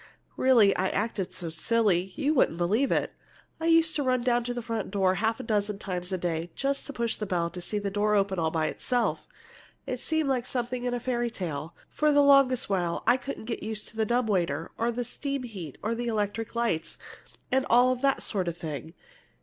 Really, I acted so silly you wouldn't believe it! I used to run down to the front door half a dozen times a day, just to push the bell and see the door open all by itself! It seemed like something in a fairy story. And for the longest while I couldn't get used to the dumb waiter or the steam heat or the electric lights, and all that sort of thing.